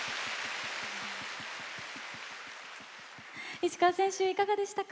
石川選手、いかがでしたか？